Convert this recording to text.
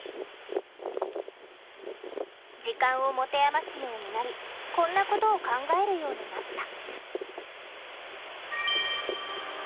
時間を持て余すようになりこんなことを考えるようになった。